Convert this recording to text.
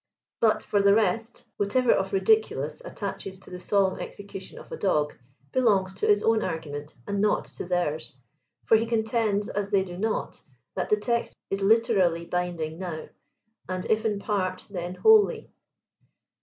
But, for the rest, whatever of ridiculous attaches to the solemn execution of a dog, belongs to his own argument, and not to theirs ; for he contends, as they do not, that the text is literally binding now, aad if in part, then wholly.